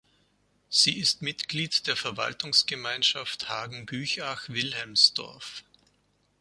Sie ist Mitglied der Verwaltungsgemeinschaft Hagenbüchach-Wilhelmsdorf.